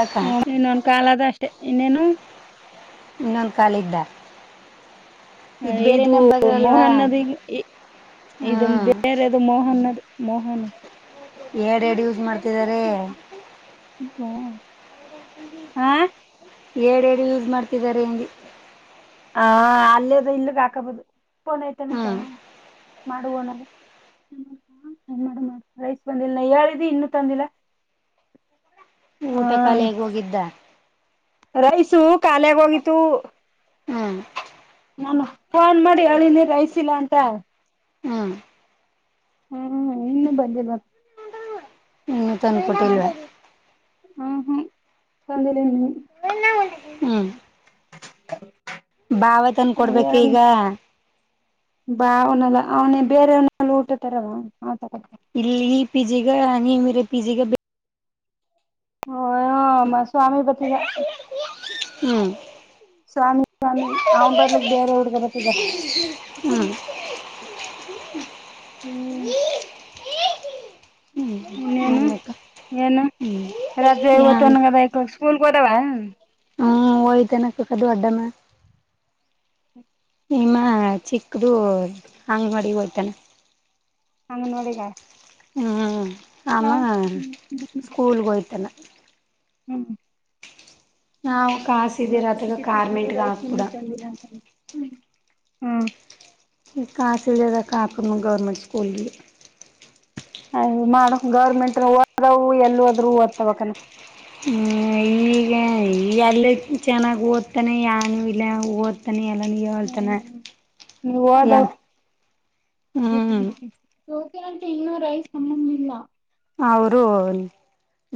ಅಕ್ಕ ಹ ಇನ್ನೊಂದ್ ಕಾಲ ಅದ ಅಷ್ಟೇ ಇನ್ನೇನು ಇನ್ನೊಂದು ಕಾಲ್ ಇದ್ದ ಇದು ನಂಬರ್ ಅಲ್ವಾ ಮೋಹನ್ನದ ಇಂ ಇದು ಹ್ಮ್ ಬೇರೆ ಅದು ಮೋಹನ್ ಅದು ಮೋಹನ್ ಎರಡ್ ಎರಡು ಯೂಸ್ ಮಾಡ್ತಿದ್ದಾರೆ ಹಾಂ ಅ ಏರಡ್ ಎರ್ಡು ಯೂಸ್ ಮಾಡ್ತಿದ್ದಾರೆ ಹಿಂಗೆ ಹ ಅಲ್ಲೆದೆ ಇಲ್ಲಿಗ್ ಹಾಕಬಹದು ಫೋನ್ ಐತೆನೆ ಹ್ಮ್ ನಿಂತವು ಮಾಡು ಓನರ್ ಗೆ ರೈಸ್ ಬಂದಿಲ್ಲ ಹೇಳಿದೆ ಇನ್ನುೂ ತಂದಿಲ್ಲ ಆ ಊಟ ಕಾಲಿ ಅಗಿ ಹೋಗಿದ್ದ ರೈಸು ಕಾಲಿ ಆಗೊಗಿತ್ತು ಹ್ಮ ನಾನು ಫೋನ್ ಮಾಡಿ ಹೇಳಿನಿ ರೈಸ್ಸಿಲ್ಲಾ ಅಂತ ಹ್ಮ ಹ್ಮ್ ಇನ್ನುೂ ಬಂದಿಲ್ಲ ಇನ್ನು ತಂದುಕೊಟ್ಟಿಲ್ವಾ ಹಾ ಹ್ಮ ತಂದಿಲ್ಲ ಇನ್ನು ಹ್ಮ್ ಭಾವ ತನ್ ಕೊಡ್ಬೇಕೆ ಇನ್ನು ಈಗ ಬಾ ಅವನಲ್ಲ ಅವನೆ ಬೇರೆ ಅವನಲ್ಲ ಊಟತಾರವು ಇಲ್ಲಿ ಪಿಜಿ ಗ ನೀವ್ ಇರುವ ಪಿಜಿಗ ಹಮ್ಮ ಸ್ವಾಮಿ ಬತಿದ್ದ ಹ್ಮ್ ಸ್ವಾಮಿ ಸ್ವಾಮಿ ಅವ್ ಬದಲಿಗೆ ಬೇರೆ ಹುಡುಗ ಬರ್ತ್ತಿದ ಹ್ಮ್ ಹ್ಮ್ ಹ್ಮ್ ಇನ್ನೇನು ಹ್ಞೂನಕ್ಕ ಏನು ಹ್ಞೂ ರಜೆ ಯಾನ್ ತ್ತುನ್ಗ ತ ಸ್ಕೂಲ್ಗೆ ಹೋದಾವ ಹ್ಮ್ ಒಯ್ತನ ಕ್ಕ ಕದು ದೊಡ್ಡನ ನಿಮ್ಮ ಚಿಕ್ಕದು ಅಂಗವಾಡಿಗೆ ಹೋಯ್ತಾನೆ ಅಂಗನವಾಡಿಗ ಹ್ಮ್ ಆಮ ಸ್ಕೂಲ್ಗ ಹೋಯಿತನ ಹ್ಮ ನಾವು ಕಾಸಿದ್ದೀರ ಜ್ಯೋತಿ ಅತ್ಲಾಗ ಕ ಕಾರ್ಮೆಂಟ್ಗ ಹಾಕಕ್ಬಿಡ ಹ್ಮ ಹ್ಮ್ ಕಾಸಿಲ್ದಲ್ದಕ ಹಾಕದ್ವ ಗೌರ್ಮೆಂಟ್ ಸ್ಸ್ಕೂಲ್ಗೆ ಹ ಮಾಡ ಗೌರ್ಮೆಂಟ್ ಓದವು ಎಲ್ಲಿ ಹೋದ್ರು ಓದ್ತ ಕನ ಹ ಈಗ ಈಗ ಅಲ್ಲ ಚೆನ್ನಾಗಿ ಓದ್ತಾನೆ ಯನೂ ನೀವು ಇಲ್ಲ ಓದ್ ತನ ಎಲ್ಲಾ ನೀವ ಅಂತನ ನೀವು ಓದವು ಯಾನಹ್ಮ್ ಜ್ಯೋತಿ ಆಂಟಿ ಇನ್ನೂ ರೈಸ್ ಉಣಂಗ್ ಇಲ್ಲ ಅವರು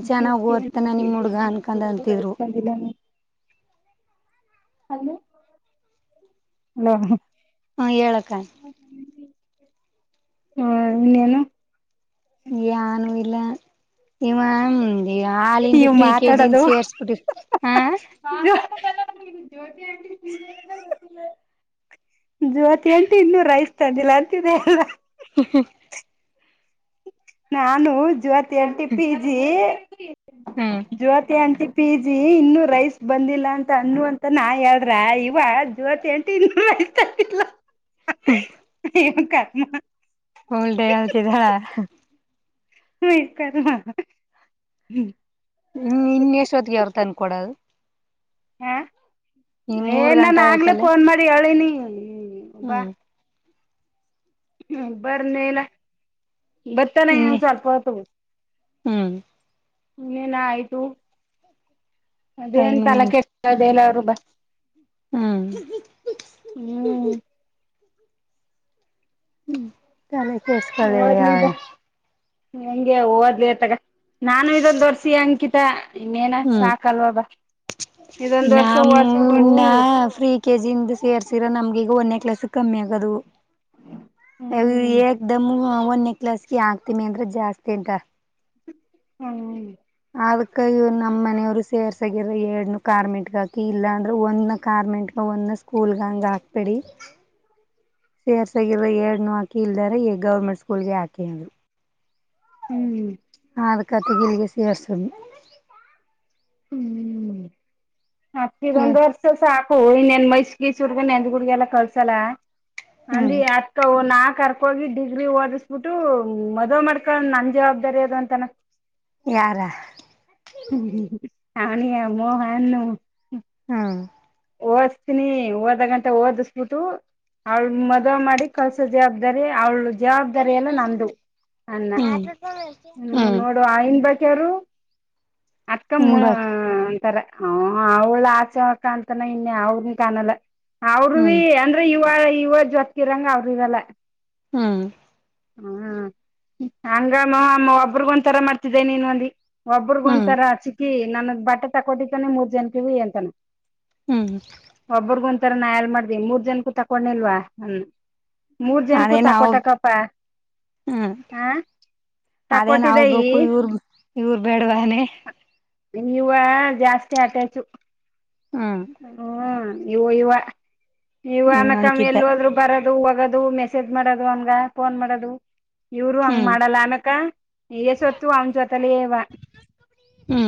ಚೆನ್ನಾಗ್ ಓದ್ತಾನ ನಿಮ್ ಹುಡ್ಗ ಅನ್ಕೊಂಡ್ ಅಂತಿದ್ರು ಇದನ್ನು ಹಲೋ ಹಲೋ ಹ್ಮ ಹೇಳಕ್ಕ ಹ್ಮ ಇನ್ನೇನು ಯಾನು ಇಲ್ಲ ಇವ ಹಾಲಿಂದ ನೀವ್ ಫ್ರೀ ಕೆಜಿನ್ ಸೇರ್ಸ್ಬಿಟ್ಟಿ ಹ ಹಾ ಜ್ಯೋತಿ ಅಂಟಿ [unintelligible] ಜ್ೋತಿ ಅಂಟಿ ಇನ್ನೂ ರೈಸ್ ತಂದಿಲ್ಲ ಅಂತಿದೆ ಎಲ್ಲ ಹ ಹಾ ನಾನು ಜೊತಿ ಎಂಟಿ ಪಿ ಜಿ ಹ್ಮ್ ಜ್ಯೋತಿ ಎಂಟಿ ಪಿ ಜಿ ಇನ್ನುೂ ರೈಸ್ ಬಂದಿಲ್ಲ ಅಂತ ಅನ್ನು ಅಂತ ನಾ ಹೇಳ್ರ ಇವ ಜವತ್ ಎಂ ತಿಂದ್ರ ಐತ ಎಲ್ಲಾ ಹ್ಮ ಏನೋ ಕರ್ಮ ಹೊಲ್ ಡೇ ಆಳ್ತಿದ ಹ್ ಏಕಡ ಮಾಡ ಹ್ಮ್ ಇನ್ಯೇಶ್ವತ್ತಿಗೆ ಎರ್ತಂದನ್ ಕೊಡದು ಹಾ ಇನ್ ಮೂರ್ ಏನ್ ನಾನು ಗಂಟೆ ಆಗ್ಲೇ ಆಯ್ತಲ್ಲ ಫೋನ್ ಮಾಡಿ ಹೇಳಿನಿ ಹ್ಮ್ ಹ್ಮ್ ಬರ ನೀಲ್ಲ ಬತಾನೆ ಇನ್ನೆ ಸ್ವಲ್ಪತ್ತು ಹ್ಮ್ ಇನ್ನೇನ್ ಆಯ್ತು ಅದೇನ್ ಟೈಮಿನ ತಲ ಕೆತದೆಲ್ಲರು ಬಾ ಹ್ಮ್ ಹ್ಮ್ ಹ್ಮ ತಲೆ ಕೆಡ್ಡಕೊಳಿ ಓದ್ಲಿ ಆ ಬ ಹೆಂಗೆ ಓದ್ಲಿ ತಗ ನಾನು ಇದೊಂದು ದೋರ್ಸಿ ಅಂಕಿತ. ಇನ್ನೇನ ಹ್ಮ್ ಸಾಕಲ್ವಾಬ ಇದೊಂದ್ ವರ್ಷ ನಾವು ಓದ್ಸಬಿಟ್ಟು ಹೂ ಇನ್ನ ಫ್ರೀ ಕೆ ಜಿ ಇಂದ ಸೇರ್ಸಿರ ನಮ್ಗ ಈಗ ಒಂದೇ ಕ್ಲಾಸ್ ಕಮ್ಮಿ ಆಗದು. ಹ್ಮ್ ಯಕ್ದಮ್ಮ ಒಂದ ನೆಕ್ಲಾಸ್ಗೆ ಹಾಕ್ತಿಮಿ ಅಂದ್ರೆ ಜಾಸ್ತಿ ಉಂಟ ಹ್ಮ. ಅದಕ್ಕ ಇವ್ ನಮ್ಮ್ನೆಯವರು ಸೇರ್ಸಾಗಿರ ಎರಡ್ನ ಕಾರ್ಮೆಂಟ್ಗ ಹಾಕಿ ಇಲ್ಲಾಂದ್ರೆ ಒಂದ್ ಕಾರ್ಮೆಂಟ್ ಒನ್ನ ಸ್ಕೂಲ್ಗ ಹಂಗ್ ಹಾಕ್ಬೇಡಿ. ಸೇರ್ಸಾಗಿರೋ ಎರಡ್ನು ಹಾಕಿ ಇಲ್ದಾರೆ ಈ ಗೌರ್ಮೆಂಟ್ ಸ್ಕೂಲ್ಗೆ ಹಾಕಿ ಅಂದರು. ಹ್ಮ್. ಹ ಅದಕತಿ ಗಿಲಗೆ ಸಿವರ್ಸಿ. ಹ್ಮ್ ಮತ್ತ ಇದೊಂದ್ ವರ್ಷ ಸಾಕು ಇ ನೆನ್ ಮೈಸಿಗೆಸುರ್ಗ ನೆಂದ ಗುಡ್ಗೆ ಎಲ್ಲ ಕಳ್ಸಲ್ಲ ಅಂದ. ಹ್ಮ್ ನಾ ಕರ್ಕೋಗಿ ಡಿಗ್ರಿ ಓದಿಸ್ಬಿಟ್ಟು ಮದ್ ಮಾಡ್ಕೊಂಡ್ ನನ್ ಜವಾಬ್ದಾರಿ ಅದ ಅಂತನ ಯಾರ ಹ್ಮ ಅವಣಿಯ ಮೋಹನ್ ಹಾ. ಓದ್ತೀನಿ ಓದ ಗಂಟೆ ಓದಿಸ್ಬಿಟ್ಟು. ಅವ್ಳ ಮದುವ ಮಾಡಿ ಕಲ್ಸ ಜವಾಬ್ದಾರಿ ಅವ್ಳು ಜವಾಬ್ದಾರಿ ಹ್ಮ್ ಎಲ್ಲ ನಂದು ಅನ್ನ ಹ್ಮ್ ನೋಡು [unintelligible] ಅತ್ಕ ಹ್ಮ್ ಬ ಅಂತಾರೆ ಅವಳ ಆಚೆಕಂತ ನ ಇನ್ನೆ ಅವ್ರನ ಕಾಣಲ್ಲ ಅವರು ಭ ಹ್ಮ್ ಅಂದ್ರೆ ಇವ ಇವ ಜೊತ್ಗಿರಂಗ ಅವ್ರ ಇರಲ್ಲ. ಹ್ಮ. ಹ್ಮ್ ಹಂಗಮ್ಮ ಅಮ್ಮ ಒಬ್ರಗ ಒಂಥರ ಮಾಡ್ತಿದ್ದೇ ನೀನ್ ಒಂದಿ. ಒಬ್ರಗ ಹ್ಮ್ ಒಂತರ ಚಿಕ್ಕಿ ನನ್ ಬಟ್ಟೆ ತಕೋಟಿದ್ದಾನೆ ಮೂರ್ ಜನ ಕಿವ ಅಂತಾನ. ಹ್ಮ್. ಒಬ್ಬ್ರಗ ಒಂತರಾ ನಾ ಎಲ್ ಮಾಡ್ದ್ವಿ ಮೂರ್ ಜನಕೂ ತಕೊಂಡಿಲ್ವಾ ಅನ್ನ ಮೂರ್ ಜನ್ಕ್ಕೂ ಅದೇ ನಾವು ತಕೊಟಕ್ಕಪ್ಪ ಹ್ಮ್ ಹ. ಅದೇ ನಾವ್ ತಕೊಟ್ಟಿದಯಿ ಬೇಕು ಇವ್ರ ಇವ್ರ ಬೇಡವಾನೆ. ನೀವು ಜಾಸ್ತಿ ಅಟ್ಯಾಚು. ಹ್ಮ್. ಹ್ಮ ಇವು ಇವ ಇವ ಹ್ಮ್ ಅನಕಮ್ಮ ಅಂಕಿತ ಎಲ್ಲದ್ರು. ಬರೋದು ಹೋಗೋದು ಮೆಸೇಜ್ ಮಾಡೋದು ಅವನ್ಗ ಫೋನ್ ಮಾಡೋದು ಇವರು ಹಂಗ್ ಹ್ಮ್ ಮಾಡಲ್ಲ ಆಮೇಕ ಈ ಸೊತ್ತು ಅವನ್ ಜೊತಲಿವ ಹ್ಮ.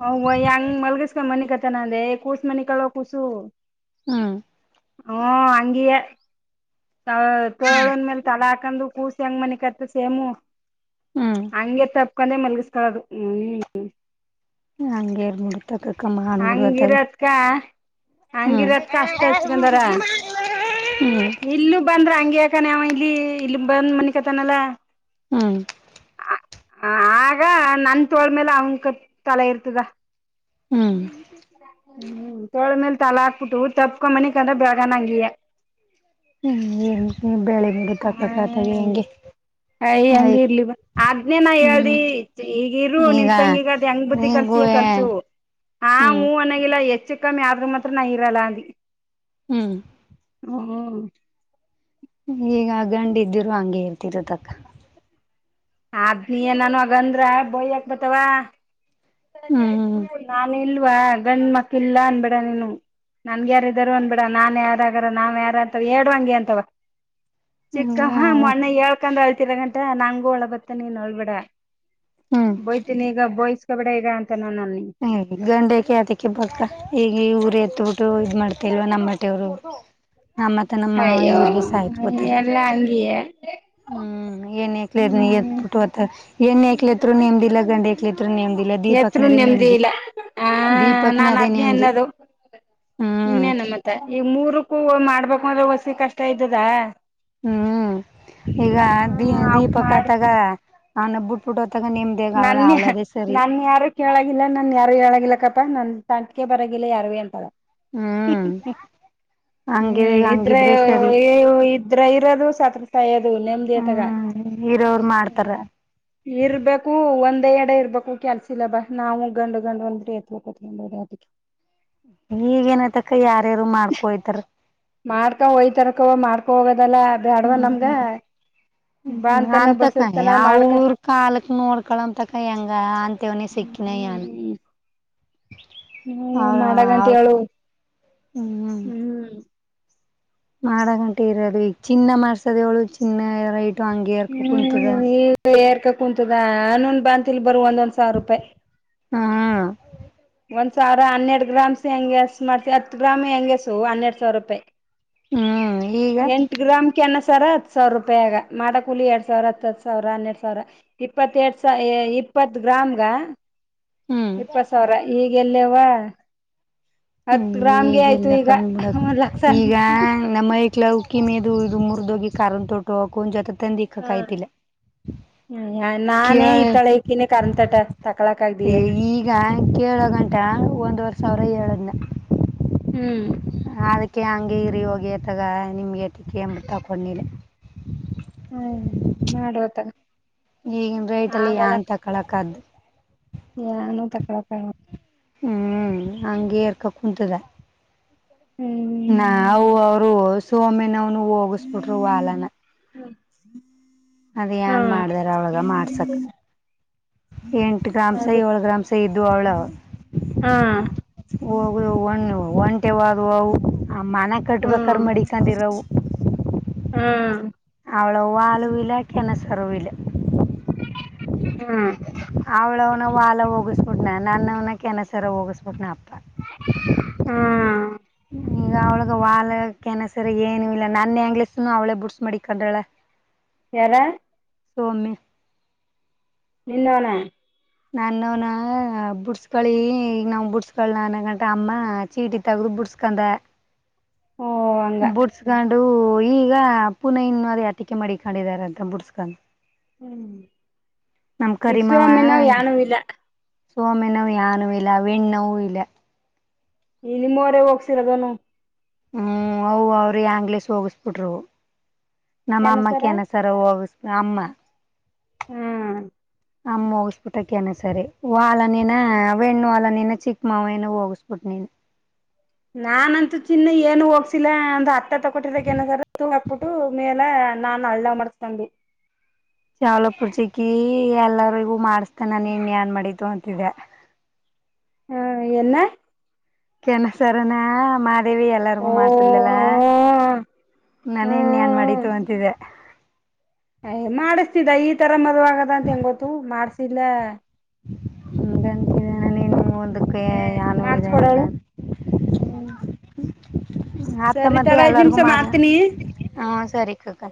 ಹ್ವ ಹೆಂಗ್ ಮಲ್ಗಸ್ಕೊಂಡ ಮನಿ ಕತನ ಅಂದೇ ಕೂಸು ಮನಿ ಕಳ ಕೂಸು ಹ್ಮ. ಹ್ಮ ಹಂಗೇಯ ತೋಳಂದ್ಮೇಲೆ ತಳ ಹಾಕಂಡ ಕೂಸಿ ಹೆಂಗ ಮನಿಕತ್ ಸೇಮು ಹ್ಮ್ ಹಂಗೆ ತಪ್ಪ ಕಂದೇ ಮಲಗಿಸ್ಕದು ಹ್ಮ್. ಹಂಗೇರ್ ಮುಡತ ಕಮ್ಮ ಹಣಬಡುವತ್ತಾಗ. ಕ್ಕ ಹಂಗಿರತ್ಕ ಅಷ್ಟ ಹಚ್ಕಂದಾರ. ಇಲ್ಲೂ ಬಂದ್ರ ಹಂಗ ಯಾಕನ್ವ ಇಲ್ಲಿ ಇಲ್ಲಿ ಬಂದ್ ಮನಿಕತನಲ್ಲಾ. ಹ್ಮ್. ಆಗ ನನ್ ತೊಳ ಮೇಲೆ ಅವನ ತಲೆ ಇರ್ತದ. ಹ್ಮ್. ಹ್ಮ ತೋಳ ಮೇಲೆ ತಲೆ ಹಾಕಿ ಬಿಟ್ಟು ತಪ್ಕೊ ಮನಿಕೊಡ್ರೆ ಅಂದ್ರೆ ಬೆಳಗಾನಂಗಯ ಹ ಹೆಂ ಬೆಳಿಗ್ಗೆ ತಕ್ಕತಾಗ ಹ್ಮ್ ಹೆಂಗೆ ಅಯ ಹಂಗಿ ಇರ್ಲಿ ಬಾ ಆದನೇ ನಾ ಹ್ಮ್ ಹೇಳ್ದಿ ಈಗಿರು ಈಗ ನಿನ್ನ ತಂಗಿಗ ಹಂಗ್ ಬುದ್ಧಿ ನಿಗೂ ಕಲಸ್ತಿಯೊ ಕಲ್ಸು ಹಾ ಹ್ಮ್ ಮನಾಗಿಲ್ಲ ಹೆಚ್ಚು ಕಮ್ಮಿ ಆದ್ರೂ ಮಾತ್ರ ನಾ ಇರಲ್ಲ ಅಂದಿ ಹುಂ ಹು ಈಗ ಆ ಗಂಡ ಇದ್ದಿರು ಹಂಗೆ ಇರ್ತಿರೋದಕ್ಕಾ ಆತ್ಮೀಯ ನಾನ ಹಂಗಂದ್ರ ಬೈಯಕ ಬರ್ತಾವಾ ಹ್ಮ್ ನಾನ ಇಲ್ವಾ ಗಂಡ್ ಮಕ್ಕಳ ಇಲ್ಲಾ ಅನ್ನಬೇಡಾ ನೀನು ನನಗ್ಯಾರ ಇದಾರ ಅನ್ನಬೇಡಾ ನಾನ್ ಯಾರಗಾರ ನಾವ ಯಾರ ಹಂಗಾರ ಅಂತವ ಎರಡು ಹಂಗೆ ಅಂತಾವ ಚಿಕ್ಕ ಹ್ಮ್ ಹ ಮೊನ್ನೆ ಹೇಳ್ಕೊಂಡ ಅಳುತ್ತಿದ್ದಾ ಮತ್ತ ನಂಗೂ ಅಳು ಬರ್ತದ ನೀನ್ ಅಳ್ಬೇಡಾ ಹ್ಮ್ ಬೋಯ್ತೀನಿ ಈಗ ಬೋಯಸ್ ಕಬಡ ಇದಾ ಅಂತ ನಾನ ನನ್ನಲ್ಲಿ ಹ ಗಂಡಕ ಅದಕ್ಕೆ ಬಕ್ಕ ಈಗ ಊರು ಎತ್ತಬಿಟ್ಟು ಇದ್ ಮಾಡ್ತಾ ಇಲ್ವ ನಮ್ಮ ಹಟ್ಟೆಯವರು ನ ಮತ್ತ ನಮ್ಮ ಮಾವನ ಅಯ್ಯೋ ಇವ್ರಗೆ ಸಾಯ್ತ್ ಕೋತಾರ [unintelligible] ಹುಂ ಏನು ಐಕ್ಲ ಹ್ಮ್ ಪುಟ ಅತ ಏನ ಐಕ್ಲತ್ರ ರ ನೇಮ್ಮದಿ ಇಲ್ಲಾ ಗಂಡ ಎಕ್ಲೆತ್ರು ನೆಮ್ದಿಲ್ಲ ಎತ್ರು ದೀಪಕ್ನದೇ ನೆಮ್ಮದಿ ನೆಮ್ದಿ ಇಲ್ಲಾ ಆ ದೀಪಕ್ನ ನಾನ್ ಅದೇ ಅದನ್ನೇ ನೆಮ್ದಿ ಅನ್ನೋದು ಹ್ಮ್ ಇನ್ನೇನ ಮತ್ತ ಈಗ ಮೂರಕ್ಕೂ ಮಾಡ್ಬೇಕು ಅಂದ್ರೆ ವಸಿ ಕಷ್ಟಾ ಇದ್ದದಾ ಹ್ಮ್ ಈಗ ದೀ ಹ್ಮ್ ಅವಕ್ ದೀಪಕ ಮಾಡಿ ತಗೋ ನಾನ ಬಿಟ್ ಬಿಟ್ಟು ತಗೋ ನಿಮ್ದ ನನ್ ಯಾ ನನ್ ಯಾರ ಕೇಳಾಗಿಲ್ಲಾ ನನ್ ಯಾರು ಹೇಳಾಗಿಲ್ಲಕ್ಕಪ್ಪಾ ನನ್ ತಂಟಿಕ ಬರಾಗಿಲ್ಲಾ ಯಾರುವೇ ಅಂತಾಳ ಹೂ ಹ್ಮ್ ಹೂ ಹಂಗಿ ಇದ್ರೆ ಹಂಗಿದ್ರೆ ಸರಿ ಇದ್ರೆ ಇರೋದು ಸತ್ರೆತಾಯೋದು ನೆಮ್ದಿ ತಗೋ ನೀರವರು ಮಾಡ್ತಾರ್ ಇರ್ಬೇಕು ಒಂದ ಎಡ ಇರ್ಬೇಕು ಕೆಲ್ಸ ಇಲ್ಲಾ ಬಾ ನಾವು ಗಂಡ ಗಂಡ ಒಂದ್ರ ಎತ್ [unintelligible] ಈಗ ಏನತಕ್ಕಾ ಯಾರ್ಯಾರು ಮಾಡ್ಕೊಯ್ತೋರೇ ಮಾಡ್ಕೊ ಹೊಯ್ತರಕ್ಕಾವ ಮಾಡ್ಕೊ ಹೋಗೋದಲ್ಲಾ ಅದ ಅಡ್ವಾ ಹ್ಮ್ ನಮ್ಗ ಬಾ ಬಾನತನ ಬಸರತಾನ ಯಾವ ಮಾಡ್ಕ ಊರ್ ಕಾಲಕ್ಕ ನೋಡ್ಕೊಳ್ಳನ ಅಂತಕ ಹೆಂಗ ಅಂತೇವನಿ ಸಿಕ್ಕಿನಯಾ. ಹ್ಮ್ ಹ್ಮ್ ಅವರ ಮಾಡಗಂಟ ಅವರು ಹೇಳು ಹುಂ ಹ್ಮ್ ಮಾಡಗಂಟಾ ಇರೋದು ಈಗ ಚಿನ್ನ ಮಾಡ್ಸದು ಅವಳು ಚಿನ್ನ ರೇಟು ಹಂಗ ಎರ್ಕ ಕುಂತದ ಹ್ಮ್ ಈಗ ಏರ್ಕ ಕುಂತದ ಅನೂ ಬಾಂತಿ ಬರುವಂದೊಂದ್ ಸಾವಿರ ರೂಪಾಯಿ ಹಾ ಒಂದ್ ಸಾವಿರ ಹನ್ನೆರಡ ಗ್ರಾಮಸ್ ಹೆಂಗೆಸ್ ಮಾಡ್ತತಿ ಹತ್ತು ಗ್ರಾಮ್ ಹೆಂಗಸು ಹನ್ನೆರಡ್ ಸಾವಿರ ರೂಪಾಯಿ ಹ್ಮ್ ಈಗ ಎಂಟ ಗ್ರಾಮ್ ನ ಸರಾ ಹತ್ತು ಸಾವಿರ ರೂಪಾಯಿಗಾ ಮಾಡುಕುಲಿ ಎರಡ್ ಸಾವಿರ ಹತ್ತು ಸಾವಿರ ಹನ್ನೆರಡ್ ಸಾವಿರಾ. ಇಪ್ಪತ್ತೆಡ್ ಸ ಇಪ್ಪತ್ ಗ್ರಾಮ್ ಗ್ ಹ್ಮ್ ಇಪ್ಪತ್ ಸಾವಿರಾ ಈಗೆಎಲ್ಲೇವ ಹತ್ತ ಹ್ಮ್ ಗ್ರಾಮ್ ಗೆ ಆಯ್ತು ಈಗಿಲ್ಲ ಈಗ ಕಂಗ್ ಬಿಡಕ ಒಂದ್ ಲಕ್ಷಾ ಈಗ ನಮ್ಮ ಹೈಕ್ಲಳ ಕ್ಕಿವೇದು ಇದು ಮುರ್ದೋಗಿ ಕಾಲನ್ ತೊಟ್ಟು ಹಾಕ ಅವ್ಕು ಒಂದು ಜೊತೆ ತಂದಿ ಕಾಯತಿಲ್ಲಾ ಹ ನಾನೇ ಇತ್ತೊಳಕಿನೇ ಕರ್ ತಟ ತಕಳಕ ಆಗ್ದೀಯಾ ಈಗ ಕೇಳ ಗಂಟ ಒಂದ್ವರೆ ಸಾವಿರ ಏಳದ್ನ. ಹ್ಮ್ ಅದಕ್ಕೆ ಹಂಗೆ ಇರಿ ಹೋಗಿ ಎ ತಗ ನಿಮಗೆ ಟಿಕೆ ಎಂಬರು ತಪ್ಪಗಿಲ್ಲ. ಹ್ಮ್ ಮಾಡುವ ತಗ. ಈಗಿನ ರೇಟ್ ಅಲ್ಲಿ ಯಾನ್ ತಕಳಕದ್ದು. ಏನು ತಕಾಳಕ್ ಅಗ್ಲ. ಹ್ಞ ಹಂಗೇರ್ಕ ಕುೂಂತಿದ. ಹ್ಮ್ ನಾವು ಅವರು ಹೊಸೋಮೆ ನವ್ನು ಹೋಗಿಸಬಿಟ್ರು ವಾಲನ. ಹ್ಮ್ ಅದ ಏನ್ ಮಾಡ್ದಾರ ಅವಳಗ ಮಾಡ್ಸಕ್ ಎಂಟು ಗ್ರಾಮ್ಸ್ ಅದ ಏಳು ಗ್ರಾಮ್ಸ ಇದ್ದು ಅವಳ. ಹಾ ಹೋಗಳ ಹೊಣ್ಣು. ಒಂಟೆವಾದವು ಅವು ಆ ಮನೆ ಕಟ್ಟಬೇಕಾದ್ರ ಮಡಕೊಂಡಿರವು. ಹ್ಮ ಅವಳೋ ವಾಲ್ವ್ ಇಲ್ಲ ಕೆನಸರು ಇಲ್ಲ. ಹ್ಮ್ ಅವಳವ್ನ ವಾಲ ಹೋಗಿಸಬಿಟ್ನ ನನ್ನವ್ನ ಕೆನ್ಸರ ಹೋಗಿಸ್ಬಿಟ್ನ ಅಪ್ಪ. ಹ್ಮ ಈಗ ಅವಳಗ ವಾಲಕನಸರ ಏನು ಇಲ್ಲ ನಾನೇ ಆಂಗ್ಲಸ್ನು ಅವ್ಳೇ ಬುಡ್ಸ್ ಮಾಡಿ ಕಂಡಾಳ. [inaudible] ಯಾರ ಸೊಮ್ಮೆ ನಿನ್ನೋನ. ನಾನವನ ಬುಡ್ಸ್ಕಳಿ ಈಗ ನಾವ ಬುಡ್ಸ್ಕಳ ನ ಗಂಟ ಅಮ್ಮ. ಚೀಟಿ ತಗದು ಬುಡ್ಸ್ಕಂದ ಓ ಹಂಗ ಬುಡ್ ಬುಡ್ಸ್ಕೊಂಡು ಈಗ ಪುನ ಇನ್ನು ಅದ ಅಟಿಕೆ ಮಾಡಿಕೊಂಡಿದ್ದಾರೆ ಅಂತ ಬುಡ್ಸ್ಕೊಂಡು. ಹ್ಮ್ ನಮ್ಮ ಇಷ್ಟೋಮಿನ ಯಾನೂ ಇಲ್ಲ. ಸೊ ಮೆನೂ ಯಾನೂ ಇಲ್ಲ ವಿಣ್ಣೋವ್ ಇಲೆ. ಇಲ್ಲಿ ಮೊರೆಗ್ ಹೋಗ್ಸಿರ ಅದನು. ಹ್ಮ್ ಅವ್ ಅವ್ರಿ ಆಂಗ್ಲೀಷ್ ಹೋಗಿಸಬಿಟ್ರು ಏನ ಸರ ನಮ್ಮಅಮ್ಮಕ್ಕೆನ ಸರವೋಗಸ್ಟ್ ಅಮ್ಮ ಹ್ಮ್ ಅಮ್ಮ ಮುಗಿಸ್ಬಿಟ್ಟಕ ಕೆನ್ನೆ ಸರಿ ವಾಲ ನೀನ ವೆಣ್ಣು ಅಲನಿನ ಚಿಕ್ ಮಾವನ ಹೋಗಿಸ್ಬುಟ್ನಿನ್ ನಾನಂತೂ ಚಿನ್ನ ಏನು ಹೋಗ್ಸಿಲ್ಲಾ ಒಂದ್ ಅತ್ತ ತಕೊಟ್ಟಿದಕ ಏನ ತುಗ್ ಹಾಕ್ಬಿಟ್ಟು. ನೀನ ಎಲ್ಲ ನಾನ್ ಹಳ್ಳ ಮಾಡ್ಸ್ ತಂಬಿ. ಶಾವಲ ಪೂರ್ಜಕಿ ಎಲ್ಲರಿಗೂ ಮಾಡಿಸತ ನಾನ ಇನ್ ಏನ್ ಮಾಡಿತು ಅಂತಿದೆ. ಹಾ ಎನ್ನ. ಕೆನಸರನಾ ಮಾಡ್ ದೇವಿ ಎಲ್ಲಾರಿಗು ಓ ಮಾಡ್ಸರ್ಲಲ್ಲ ನನ ಇನ್ಯಏನ್ ಹ್ಮ್ ಮಾಡತು ಅಂತಿದೆ. ಅಯ ಮಾಡಿಸ್ತಿದ್ದ ಈ ತರ ಮದುವಾಗದ ಅಂತ ಹೆಂಗ ಗೊತ್ತು ಮಾಡ್ಸಿಲ್ಲ. [unintelligible] ನೀನು ಮುಂದುಕ್ ಹ್ಮ ಮಾಡಸ್ ಕೊಡೋರು ಹ್ಮ್ ಅತ್ತ ಸರಿ ಮತ್ತೆ ತಡ ಐದ್ ಎಲ್ಲಾರ್ಗೂ ನಿಮಿಷ ಮಾಡರ ಮಾಡ್ತೀನಿ ಹಾ ಸರಿ ಕಕಾ